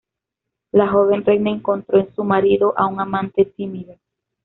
La joven reina encontró en su marido a un amante tímido.